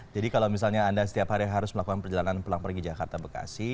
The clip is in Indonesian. jadi kalau misalnya anda setiap hari harus melakukan perjalanan pulang pergi jakarta bekasi